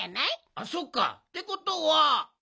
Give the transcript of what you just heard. あそっか。ってことは。